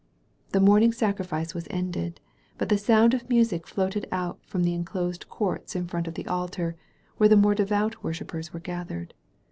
The morning sacrifice was ended, but the sound of music floated out from the enclosed courts in front of the altar, where the more devout worshippers were gathered.